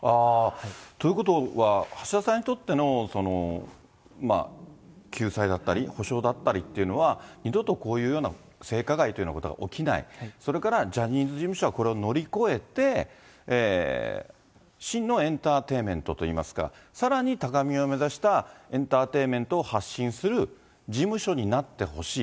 ということは、橋田さんにとってのまあ、救済だったり、補償だったりっていうのは、二度とこういうような性加害ということが起きない、それからジャニーズ事務所はこれを乗り越えて、真のエンターテインメントといいますか、さらに高みを目指したエンターテインメントを発信する事務所になってほしい。